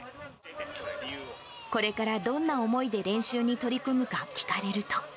これからどんな思いで練習に取り組むか聞かれると。